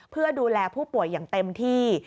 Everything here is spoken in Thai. เพื่อดูแลผู้ป่วยอย่างเต็มที่